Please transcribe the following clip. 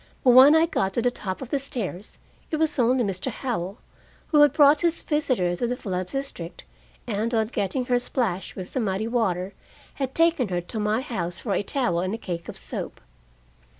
But when I got to the top of the stairs, it was only Mr. Howell, who had brought his visitor to the flood district, and on getting her splashed with the muddy water, had taken her to my house for a towel and a cake of soap.